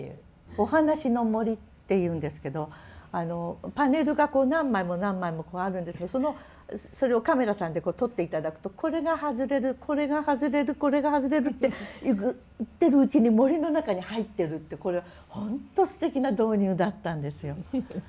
「おはなしのもり」っていうんですけどパネルが何枚も何枚もあるんですがそのそれをカメラさんで撮って頂くとこれが外れるこれが外れるこれが外れるっていっているうちに森の中に入ってるってこれは本当すてきな導入だったんですよ。